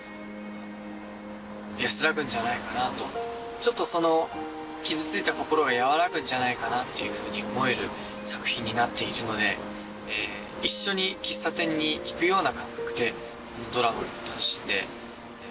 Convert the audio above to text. ちょっとその傷ついた心が和らぐんじゃないかなっていうふうに思える作品になっているので一緒に喫茶店に行くような感覚でドラマを楽しんで。